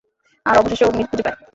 আর অবশেষে ও মিল খুঁজে পায়।